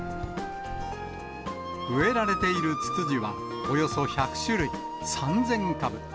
植えられているつつじはおよそ１００種類、３０００株。